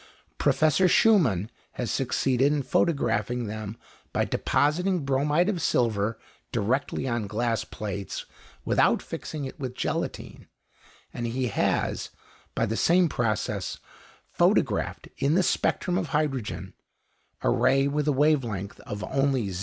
Professor Schumann has succeeded in photographing them by depositing bromide of silver directly on glass plates without fixing it with gelatine; and he has, by the same process, photographed in the spectrum of hydrogen a ray with a wave length of only 0.